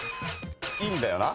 いいんだよな⁉